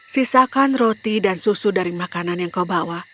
sisakan roti dan susu dari makanan yang kau bawa